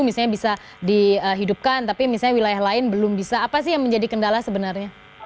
misalnya bisa dihidupkan tapi misalnya wilayah lain belum bisa apa sih yang menjadi kendala sebenarnya